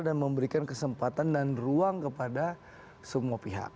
dan memberikan kesempatan dan ruang kepada semua pihak